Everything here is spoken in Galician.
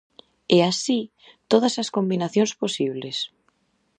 E así, todas as combinacións posibles.